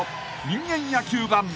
人間野球盤］